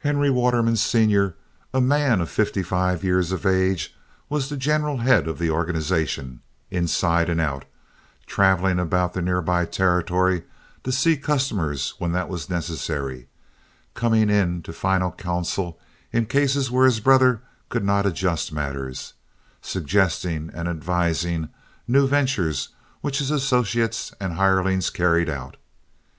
Henry Waterman, Sr., a man of fifty five years of age, was the general head of the organization, inside and out—traveling about the nearby territory to see customers when that was necessary, coming into final counsel in cases where his brother could not adjust matters, suggesting and advising new ventures which his associates and hirelings carried out.